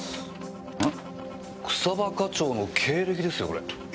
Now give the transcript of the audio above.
草葉課長の経歴ですよこれ。